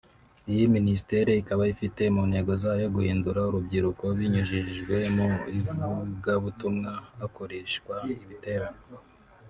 Iyi Ministère ikaba ifite mu ntego zayo guhindura urubyiruko binyujijwe mu ivugabutumwa hakoreshwa ibiterane